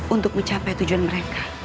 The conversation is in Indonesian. untuk mencapai tujuan mereka